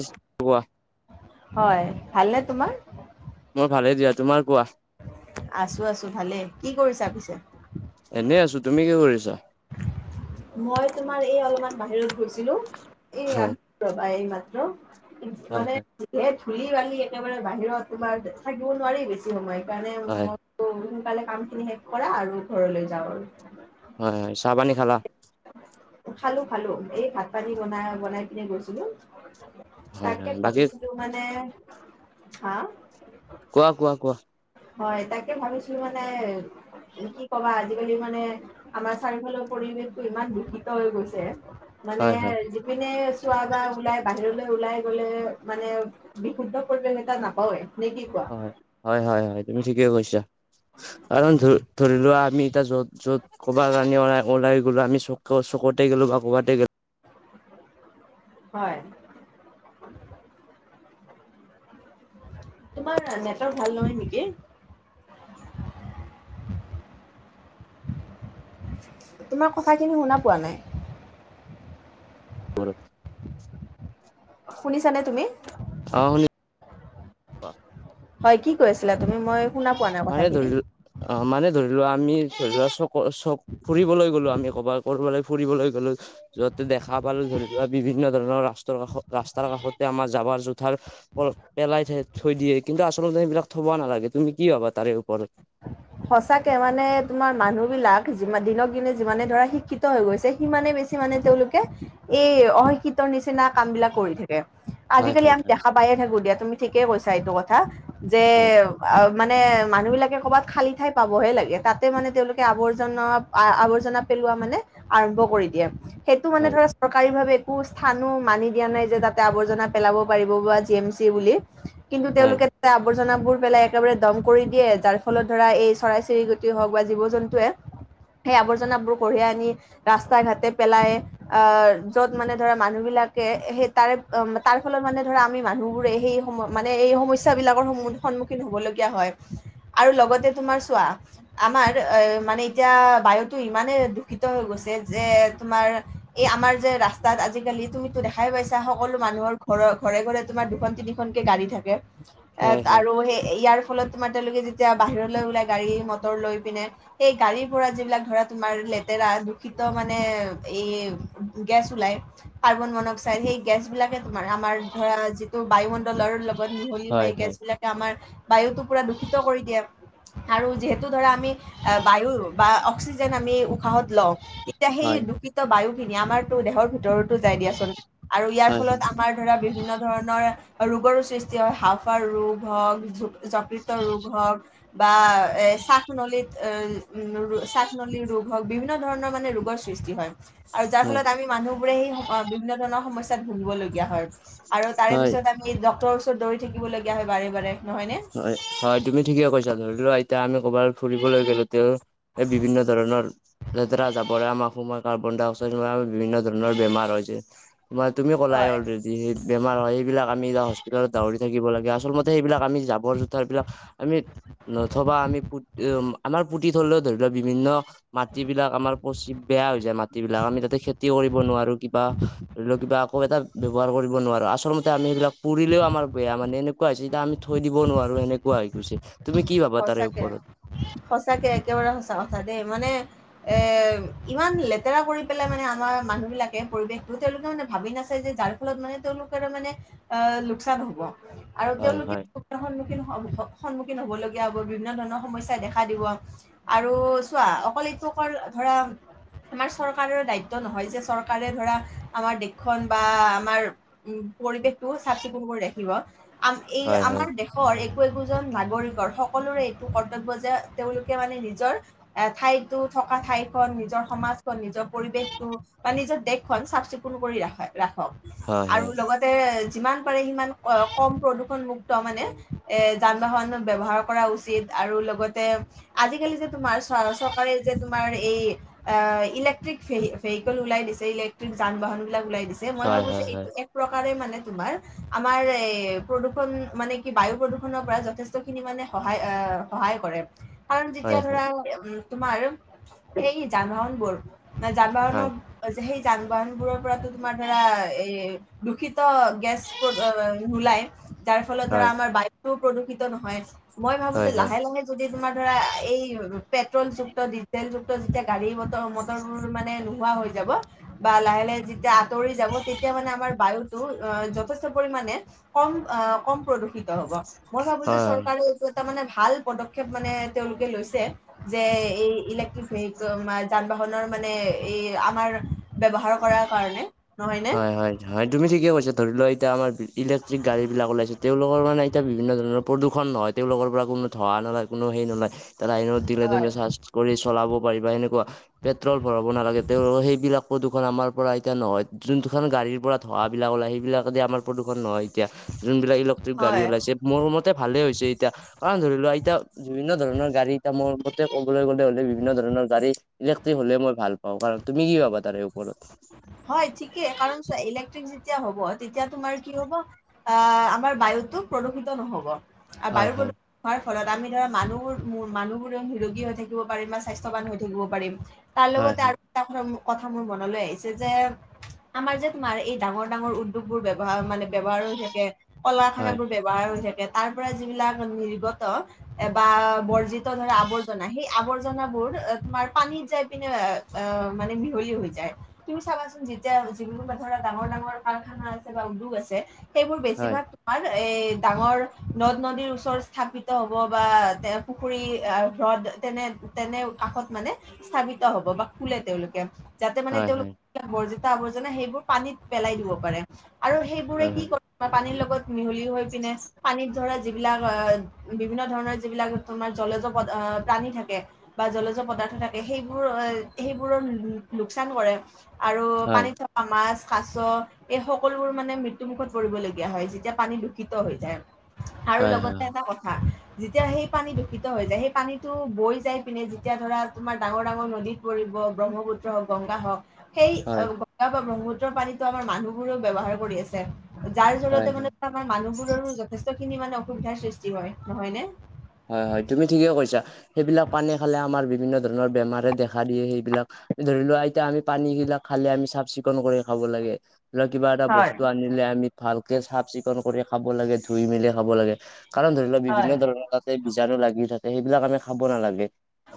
East গোৱা। হয়, ভালনে তোমাৰ? মোৰ ভালে দিয়া, তোমাৰ কোৱা? আছো আছো ভালে। কি কৰিছা পিছে? এনেই আছো, তুমি কি কৰিছা? মই তোমাৰ এই অলপমান বাহিৰত গৈছিলো, এই ৰা হয় ৰবা এইমাত্ৰ। হয় মানে হয় যিটোহে ধূলি, বালি একেবাৰে বাহিৰত তোমাৰ থাকিব নোৱাৰি বেছি সময়। মানে হয় মোকো সোনকালে কামখিনি শেষ কৰা আৰু ঘৰলৈ যাওঁ আৰু। হয়, হয়। চাহ - পানী খালা? খালো, খালোঁ। এই ভাত- পানী বনাই-বনাই পিনে গৈছিলো। হয় তাকে হয় বাকী ভাবিছিলোঁ মানে হা! কোৱা, কোৱা, কোৱা? হয়। তাকে ভাবিছিলো মানে, কি কবা আজিকালি মানে আমাৰ চাৰিওফালৰ পৰিৱেশটো ইমান দূষিত হৈ গৈছে। মানে হয় হয় যিপিনে চোৱা বা ওলাই বাহিৰলৈ ওলাই গ'লে মানে বিশুদ্ধ পৰিৱেশ এটা নাপাওঁয়ে নে কি কোৱা? হয়-হয়-হয়, তুমি ঠিকে কৈছা। কাৰণ ধ ধৰি লোৱা, আমি এতিয়া য'ত য'ত ক'ৰবা লাণি ওলাই-ওলাই গ'লো, আমি চক- চকতে গ'লো বা ক'ৰবাতে গে হয়। তোমাৰ নেটৱৰ্ক ভাল নহয় নেকি? তোমাৰ কথাখিনি শুনা পোৱা নাই। গ'লো [inaudible] শুনিছানে তুমি? অ শুনি হয়, কি কৈ আছিলা তুমি? মই শুনা পোৱা নাই মানে কথাখিনি। ধৰি লো অ মানে ধৰি লোৱা আমি ধৰি লোৱা চ ক চব ফুৰিলৈ গ'লো আমি ক'ৰবাত, ক'ৰবালৈ ফুৰিবলৈ গ'লো য'তে দেখা পালো। ধৰি লোৱা বিভিন্ন ধৰণৰ ৰাস্তাৰ কাষত, ৰাস্তাৰ কাষতে আমাৰ জাবাৰ জোথাৰ বোৰ পেলাই থে থৈ দিয়ে কিন্তু আচলতে সেইবিলাক থবা নালাগে। তুমি কি ভাবা তাৰে ওপৰত? [inaudible] সঁচাকে মানে তোমাৰ মানুহবিলাক, যিমান দিনক দিনে যিমানে ধৰা শিক্ষিত হৈ গৈছে সিমানে বেছি মানে তেওঁলোকে এই অশিক্ষিতৰ নিচিনা কামবিলাক কৰি থা দে, হয় আজিকালি হয় আমি দেখা পাইয়ে থাকো দিয়া। তুমি ঠিকেই কৈছা এইটো কথা যে হয় আও মানে মানুহবিলাকে ক'বাত খালী ঠাই পাবহে লাগে তাতে মানে তেওঁলোকে আৱৰ্জন আ-আৱৰ্জনা পেলোৱা মানে আৰম্ভ কৰি দিয়ে। সেইটো মানে হয় ধৰা চৰকাৰী ভাৱে একো স্থানো মানি দিয়া নাই যে তাতে আৱৰ্জনা পেলাব পাৰিব বা জি এম চি বুলি। কিন্তু তেওঁলোকে আৱৰ্জনাবোৰ পেলাই একেবাৰে দম কৰি দিয়ে যাৰ ফলত ধৰা এই চৰাই-চিৰিকটিয়ে হওঁক বা জীৱ-জন্তুৱে সেই আৱৰ্জনাবোৰ কঢ়িয়াই আনি ৰাস্তা-ঘাটে পেলাই আৰ য'ত মানে ধৰা মানুহবিলাকে সেই তাৰে উম তাৰ ফলত মানে ধৰা আমি মানুহবোৰে সেই সময় মানে এই সমস্যাবিলাকৰ সন্মুন-সন্মুখীন হবলগীয়া হয় আৰু লগতে তোমাৰ চোৱা আমাৰ এ মানে এতিয়া বায়ুটো ইমানে দূষিত হৈ গৈছে যে তোমাৰ এই আমাৰ যে ৰাস্তাত আজিকালি তুমিতো দেখাই পাইছা সকলো মানুহৰ ঘৰৰ ঘৰে ঘৰে তোমাৰ দুখন, তিনি খনকে গাড়ী থাকে। হয় এত হয় আৰু সেই ইয়াৰ ফলত তোমাৰ তেওঁলোকে যে তিয়া বাহিৰলৈ ওলায় গাড়ী, মটৰ লৈ পিনে। সেই গাড়ীৰ পৰা যিবিলাক ধৰা তোমাৰ লেতেৰা দূষিত মানে এই গেছ ওলায় কাৰ্বন মন অক্সাইড, সেই গেছবিলাকে তোমাৰ আমাৰ ধৰা যিটো বায়ুমণ ডলৰ লগত মিহলি হৈ হয় হয় গেছবিলাকে আমাৰ বায়ুতো পুৰা দূষি ত কৰি দিয়ে আৰু যিহেতু ধৰা, আমি এ বায়ু বা অক্সিজেন আমি উশাহত লওঁ, তেতিয়া হয় সেই হয় দূষিত বায়ু খিনি আমাৰতো দেহৰ ভিতৰতো যায় দিয়াচোন। আৰু ইয়াৰ হয় হয় ফলত আমাৰ ধৰা বিভিন্ন ধৰণৰ ৰোগৰো সৃষ্টি হয় হাঁওফাঁওৰ ৰোগ হওঁক, য-যকৃত তৰ ৰোগ হওঁক। বা এ শ্বাস নলীত এউম-ৰো শ্বাস নলীৰ ৰোগ হওঁক বিভিন্ন ধৰণৰ মানে ৰোগৰ সৃষ্টি হয়। আৰু যাৰ হয় ফলত আমি মানুহ বোৰে সেই বিভিন্ন ধৰণৰ সমস্যাত ভুগিবলগীয়া হয় আৰু তাৰে হয় পিছত আমি এই ডক্টৰৰ ওচৰত দৌৰি থাকিবগীয়া হয় বাৰে বাৰে নহয় নে? হয়, হয়, তুমি ঠিকে কৈছা ধৰিলোৱা এতিয়া আমি ক'ৰবাত ফুৰিবলৈ গ'লো তেওঁ বিভিন্ন ধৰণৰ লেতেৰা জাবৰা আমাৰ অসমত কাৰ্বন ডাই অক্সাইড হোৱা বিভিন্ন ধৰণৰ বেমাৰ হৈছে ত- তুমি ক'লাই হয় যি বেমাৰ হয় সেইবিলাক আমি এয়া হস্পিতালত দাহৰি থাকিব লাগে আচলতে সেইবাক আমি যা বৰ জোথাৰ বিলাক আমি নথবা আমি পু আমাৰ পুতি থৰিলেও ধৰি লোৱা বিভিন্ন মাটিবিলাক আমাৰ পচি বেয়া হৈ যায় মাটি বিলাক আমি তাতে খেতি কৰিব নোৱাৰো। কিবা ধৰি লও কিবা আকৌ এটা ব্যৱহাৰ কৰিব নোৱাৰো আচলমতে আমি সেইবিলাক পুৰিলেও আমাৰ বেয়া মানে এনেকুৱা হৈছে এতিয়া আমি থৈ দিব নোৱাৰো সেনেকুৱা হৈ গৈছে। তুমি কি ভাবা তাৰে সঁচাকে, ওপৰত সঁচাকে একেবাৰে সঁচা কথা দেই মানে এ, ইমান লেতেৰা কৰি পেলাই মানে আমাৰ মানুহ বিলাকে পৰিৱেশতো তেওঁলোকে মানে ভাবি নাচিছে যে যাৰ ফলত মানে তেওঁলোকৰ মানে অ', লোকচান হ'ব। আৰু হয় তেওঁলোকে হয় সন-সন্মুখীন হবলৈ হব বিভিন্ন ধৰণৰ সমস্যা দেখা দিব আৰু চোৱা অকল এইটো অ', ধৰা আমাৰ চৰকাৰৰ দায়িত্ব নহয় যে চৰকাৰে ধৰা আমাৰ দেশখন বা আমাৰ উম, পৰিৱেশ টো চাফ চিকুণ কৰি ৰাখিব আমা এই হয় আমাৰ হয় দেশৰ একো একোজন নাগৰিকৰ সকলোৰে এইটো কৰ্তব্য যে তেওঁলোকে মানে নিজৰ এ ঠাইতো থকা ঠাই খন নিজৰ সমাজখন নিজৰ পৰিৱেশটো বা নিজৰ দেশখন চাফ চিকুণ কৰি ৰাখ- ৰাখক হয় আৰু লগত যিমান পাৰে সিমান কম প্ৰদূষণ মুক্ত মানে এ যান বাহন ব্যৱহাৰ কৰা উচিত আৰু লগতে আজিকালি যে তোমাৰ চ-চৰকাৰে যে তোমাৰ এই অ', ইলেক্ট্ৰিক ভে-ভেহিকল ওলাই দিছে ইলেক্ট্ৰিক যান বাহন বিলাক ওলাই দিছে যে মই হয় ভাবোঁ যে হয় এইটো হয় এক প্ৰকাৰে মানে তোমাৰ আমাৰ এ প্ৰদূষণ মানে কি বায়ু প্ৰদূষণৰ পৰা যথেষ্ট খিনি মানে সহায় এ সহায় কৰে কাৰণ যেতিয়া হয় হয় ধৰা তোমাৰ সে যান বাহন বোৰ মানে যান হয় বাহনৰ যে সেই যান বাহনবোৰৰ পৰাতো তোমাৰ ধৰা এই দূষিত গেছ বোৰ নোলায় যাৰ ফলত ধৰ হয় হয় আমাৰ বায় প্ৰদূষিত নহয় মই ভাবোঁ যে হয় হয় লাহে, লাহে যদি তোমাৰ ধৰা এই পেট্ৰ'ল যুক্ত ডিজেল যুক্ত যেতিয়া গাড়ী মটৰবোৰ মানে নোহোৱা হৈ যাব বা লাহে লাহে যেতিয়া আঁতৰি যাব তেতিয়া মানে আমাৰ বায়ু যথেষ্ট পৰিমণে কম, কম প্ৰদূষিত হ'ব মই ভাবো যে হয় হয় চৰকাৰে ত'এটা মানে ভাল পদক্ষেপ মানে তেওঁলোকে লৈছে যে এই ইলেক্ট্ৰিক ভেহিকেল যান বাহনৰ মানে এই আমাৰ ব্যৱহাৰ কৰাৰ কাৰণে নহয় নে? হয়, হয়। হয় তুমি ঠিকে‌ কৈছা ধৰি লও এতিয়া আমাৰ ইলে্ট্ৰিক গাড়ী বিলাক ওলাইছে তেওঁলোকৰ মানে এতিয়া বিভিন্ন ধৰণৰ প্ৰূষণ নহয়। তেওঁলোকৰ পৰা কোনো ধৱা নলয় কোনো হেই নলয় তাত আইনত দিলে তুমি হয়। চাচ কৰি চলাব পাৰিবা এনেকুৱা পেট্ৰল ভৰাব নালাগে তেওঁ সেইবিলাকো প্ৰদুখন আমাৰ পৰা এতিয়া নহয় যোনটোখন গাড়ীৰ পৰা ধোঁৱাবিলাক ওলায় সেইবিলাকেদি আমাৰ প্ৰদূষণ নহয় এতিয়া যোনবিলাক ইলেক্ট্ৰিক গাড়ী হয়, ওলাইছে মোৰমতে ভালে হৈছে এতিয়া কাৰণ ধৰি লোৱা এতিয়া বিভিন্ন ধৰণৰ গাড়ী এটা মতে ক'বলৈ গ'লে হলে বিভিন্ন ধৰণৰ গাড়ী ইলেক্ট্ৰিক হ'লে মই ভাল পাওঁ। কাৰণ তুমি কি পাবা তাৰে ওপৰত? হয় ঠিকেই কাৰণ ইলেক্ট্ৰিক যেতিয়া হ'ব তেতিয়া তোমাৰ কি হ'ব আ আমাৰ বায়ুতটো প্ৰদূষিত নহ'ব আৰু হয় বায়ু প্ৰদূ হয় হোৱাৰ ফলত আমি ধৰা মানুহ-মানুহবোৰে নিৰোগী হৈ থাকিব পাৰিম বা স্বাস্থৱান হৈ থাকিব পাৰিম। তাৰ হয় হয় লগতে আৰু এটা কথা মোৰ মনলৈ আহিছে। যে আমাৰ যে তোমাৰ এই ডাঙৰ ডাঙৰ উদ্যোগ বোৰ ব্যৱহাৰ মানে ব্য্ৱহাৰ হৈ থাকে। হয় কলাখানাবোৰ ব্য্ৱহাৰ হৈ থাকে তাৰ পৰা যিবিলাক নিৰ্গত। বা বৰ্জিত ধৰা আৱৰ্জনা সেই আৱৰ্জনাবোৰ তোমাৰ পানীত যাই পিনে এএ এ মানে মিহলি হৈ যায়। তুমি চাবাচোন যেতিয়া যিবোৰ ধৰা ডাঙৰ ডাঙৰ কাৰখানা আছে বা উদ্যোগ আছে। সেইবোৰ হয় বেছিভাগ তোমাৰ এই ডাঙৰ নদ নদীৰ ওচৰত স্থাপিত হ'ব বা তে পুখুৰী আহ হ্ৰদ তেনে তেনে কাষত মানে। স্থাপিত হ'ব বা খোলে তেওঁলোকে। যাতে মানে হয় তেওঁলোক হয় বৰ্জিতা আৱৰ্জনা সেইবোৰ পানীত পেলাই দিব পাৰে আৰু সেইবোৰে হয় কি কৰে? পানীৰ লগত মিহলি হৈ পিনে পানীত ধৰা যিবিলাক আহ বিভিন্ন ধৰণৰ যিবিলাক তোমাৰ জলে জপট প্ৰাণী থাকে। বা জলজ পদাৰ্থ থাকে সেইবোৰ সেইবোৰৰ লোকচান কৰে। আৰু হয় পানীত থকা মাছ কাছ এই সকলোবোৰ মানে মৃত্যুমুখত পৰিবলগীয়া হয় যেতিয়া পানী দূষিত হৈ যায়। আৰু হয় হয় লগতে এটা কথা। [inaudible] যেতিয়া সেই পানী দূষিত হৈ যায় সেই পানীটো বৈ যাই পিনে যেতিয়া ধৰা তোমাৰ ডাঙৰ ডাঙৰ নদীত কৰিব ব্ৰহ্মপুত্ৰ হওঁক গংগা হওঁক। সেই হয় গগা বা ব্ৰহ্মুত্ৰৰ পানীতো আমাৰ মানুহবোৰেও ব্যৱহাৰ কৰি আছে যাৰ হয় জৰিয়তে হয় মানে আমাৰ মানুহবোৰৰো যথেষ্ট খিনি মানে অসুবিধাৰ সৃষ্টি হয় নহয় নে। হয় হয় তুমি ঠিকেই কৈছা সেইবিলাক পানী খালে আমাৰ বিভিন্ন ধৰণৰ বেমাৰে দেখা দিয়ে সেইবিলাক। ধৰি লোৱা এতিয়া আমি পানী বিলাক খালে আমি চাফ চিকুণ কৰি খাব লাগে কিবা এটা হয় বস্তু আনি আমি ভালকে চাফ চিকুন কৰি খাব লাগে ধুই মেলি খাব লাগে কাৰণ ধৰি লও বিভিন্ন হয় ধৰণৰ তাত বীজাণু লাগি থাকে সেইবিলাক আমি খাব নালাগে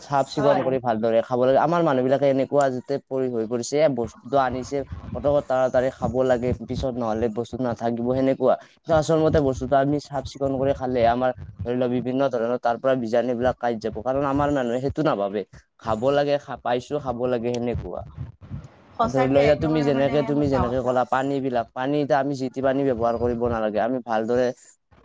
চাফ চিকুণ হয় কৰি ভালদৰে খা খাব লাগে আমাৰ মানুহ বিলাকে এনেকুৱা যাতে পৰি হৈ পৰিছে বস্তুটো আনিছে। পতকত তাৰাতাৰি খাব লাগে পিছত নহ'লে বস্তু নাথাকিব সেনেকুৱা। চাছৰ মতে বস্তু তো আমি চাফ চিকুণ কৰি খালে আমাৰ ধৰি লওক বিভিন্ন ধৰণৰ তাৰ পৰা বিজাণু এইবিলাক কাই যাব কাৰণ আমাৰ মানুহে সেইটো নাভাবে। খাব লাগে পাইছো খাব লাগে সেনেকুৱা। আৰু ধৰি সঁচাকে ল যা তুমি একেবাৰে মানে যেনেকে তুমি সঁচা যেনেকে কথা কলা। পানী বিলাক পানীতিয়া আমি যিটি পানী ব্যৱহাৰ কৰিব নালাগে আমি ভালদৰে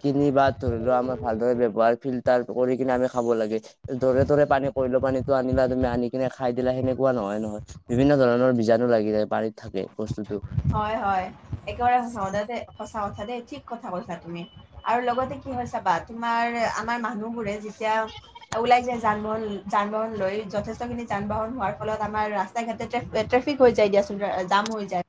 তিনি বাৰ ধৰি লও আমাৰ ভালদৰে ব্যৱহাৰ ফিল্টাৰ কৰি কিনে আমি খাব লাগে। যৰে তৰে পানী কৰিলো পানীতটো আনিলা তুমি আনি কিনে খাই দিলা সেনেকুৱা নহয় নহয়। বিভিন্ন ধৰণৰ বীজাণু লাগি যায় পানীত থাকে বস্তুটো। হয় হয়। একেবাৰে সঁচা কথা দে সঁচা কথা দেই, ঠিক কথা কৈছা তুমি। আৰু লগতে কি হয় চাবা- তোমাৰ আমাৰ মানুহবোৰে যেতিয়া ওলাই যাই যান-বাহন যান-বাহন লৈ যথেষ্টখিনি যান-বাহন হোৱাৰ ফলত আমাৰ ৰাস্তাই-ঘাটে ট্ৰেফ- ট্ৰেফিক হৈ যায় দিয়াচোন জাম হৈ যায়।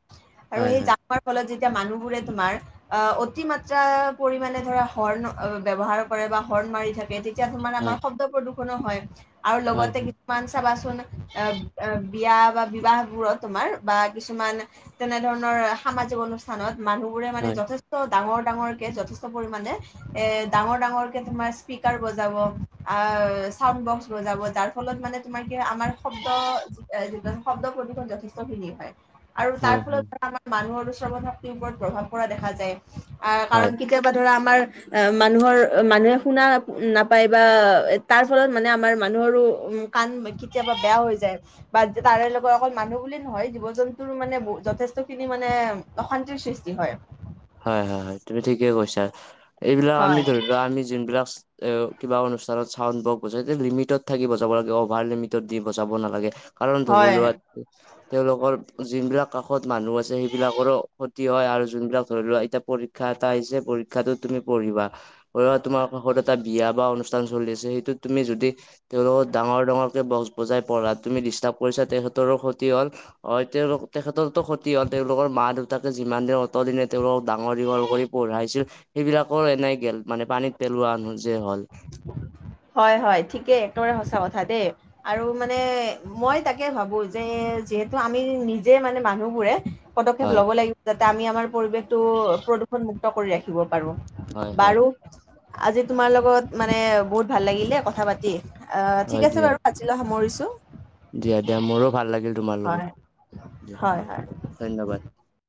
আৰু হয় সেই হয় জাম হোৱাৰ ফলত যেতিয়া মানুহবোৰে তোমাৰ অ অতি মাত্ৰা পৰিমাণে ধৰা হৰ্ণ ব্যৱহাৰ কৰে বা হৰ্ণ মাৰি থাকে তে- তিয়া তোমাৰ আমাৰ শব্দ প্ৰদূষণো হয় আৰু হয় লগতে হয় মান চাবাচোন এ-এ বিয়া বা বিবাহবোৰত তোমাৰ বা কিছুমান তেনেধৰণৰ সামাজিক অনুষ্ঠানত মানুহবোৰে মানে হয় যথেষ্ট- ট ডাঙৰ-ডাঙৰকে যথেষ্ট পৰিমানে, এ ডাঙৰ-ডাঙৰকে তোমাৰ স্পিকাৰ বজাব আও চাউন বক্স বজাব যাৰ ফলত মানে তোমাৰ কি হয় আমাৰ শব্দ শব্দ প্ৰদূষণ যথেষ্টখিনি হয়। আৰু তাৰ হয় হয় ফলত হয় পৰা আমাৰ মানুহৰো শ্ৰৱণ শক্তিৰ ওপৰত প্ৰভাৱ পৰা দেখা যায়, আহ কাৰণ হয় কি তিয়াবা ধৰা আমাৰ অ মানুহৰ মানুহে শুনা নাপায় বা তাৰ ফলত মানে আমাৰ মানুহৰো উ কাণ কেতিয়াবা বেয়া হৈ যায়, বা তাৰে লগত অকল মানুহ বুলি নহয় জীৱ-জন্তুৰো মানে ব- যথেষ্টখিনি মানে অশান্তিৰ সৃষ্টি হয়। হয় হয় হয়, তুমি ঠিকেই কৈছা। এইবিলাক আমি হয় ধৰি লোৱা আমি যোনবিলাক এ কিবা অনুষ্ঠানত চাউন বক বজায় লিমিটত থাকি বজাব লাগে অভাৰ লিমিটত দি বজাব নালাগে। কাৰণ ধৰিলোৱা হয় তেওঁলোকৰ যোন বিলাক কাষত মানুহ আছে সেইবিলাকৰো ক্ষতি হয় আৰু যোনবিলাক ধৰি লোৱা এতিয়া পৰীক্ষা এটা আহিছে পৰীক্ষাটোত তুমি পঢ়িবা ধযৰা তোমাৰ কাষত এটা বিয়া বা অনুষ্ঠান চলি আছে সেইটোত তুমি যদি তেওঁলোকক ডাঙৰ-ডাঙৰকে বক্স বজাই পঢ়া তুমি ডিষ্টাৰ্ব কৰিছা তেখেতৰো ক্ষতি হল হয় তেওঁলোক তেখেতৰ ত' ক্ষতি হল তেওঁলোকৰ মা-দেউতাকে যিমান দিন অতদিনে তেওঁলকক ডাঙৰ দীঘল কৰি পঢ়াইছিল, সেইবিলাকো এনেই গেল মানে পানীত পেলোৱা যে হ'ল। [inaudible] হয় হয় ঠিকেই, একেবাৰে সঁচা কথা দেই। আৰু মানে মই তাকে ভাবো যে যিহেতু আমি নিজে মানে মানুহবোৰে পদক্ষেপ হয় লব লাগিব যাতে আমি আমাৰ পৰিৱেশটো প্ৰদূষণ মুুক্ত কৰি ৰাখিব পাৰো। হয় হয় বাৰু, আজি তোমাৰ লগত মানে বহুত ভাল লাগিল দে কথা-পাতি। হয় ঠিক আছে দিয়া বাৰু আজিলে সামৰিছোঁ। দিয়া দিয়া মোৰো ভাল লাগিল তোমাৰ হয় লগত। দিয়া, হয় হয় ধন্যবাদ।